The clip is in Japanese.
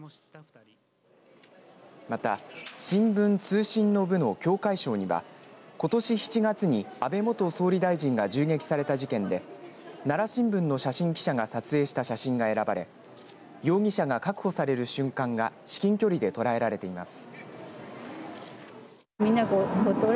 また新聞・通信の部の協会賞にはことし７月に、安倍元総理大臣が銃撃された事件で奈良新聞の写真記者が撮影した写真が選ばれ容疑者が確保される瞬間が至近距離で捉えられています。